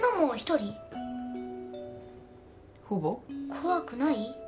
怖くない？